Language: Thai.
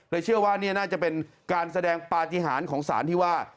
เชื่อว่านี่น่าจะเป็นการแสดงปฏิหารของสารที่ว่า